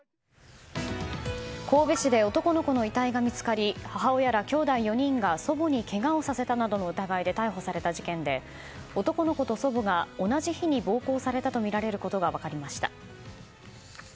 神戸市で男の子の遺体が見つかり母親らきょうだい４人が祖母にけがをさせたなどの疑いで逮捕された事件で男の子と祖母が同じ日に暴行されたとみられることが明らかになりました。